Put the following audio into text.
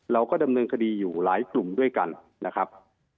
เราก็ดำเนินคดีอยู่หลายกลุ่มด้วยกันนะครับ